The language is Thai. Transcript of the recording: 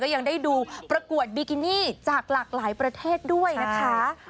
ยังได้ดูประกวดบิกินี่จากหลากหลายประเทศด้วยนะคะ